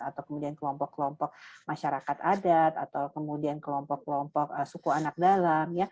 atau kemudian kelompok kelompok masyarakat adat atau kemudian kelompok kelompok suku anak dalam